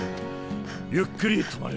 ゆっくり止まる。